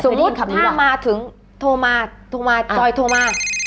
สมมุติถ้ามาถึงโทรมาโจยโทรมา